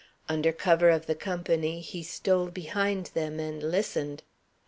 Under cover of the company, he stole behind them and listened.